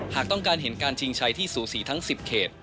หากต้องการเห็นการชิงชัยที่สูสีทั้ง๑๐เขต